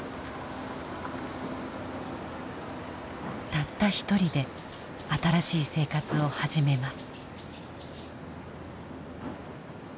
たった一人で新しい生活を始めます。